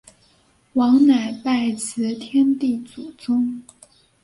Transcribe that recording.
王乃拜辞天地祖宗。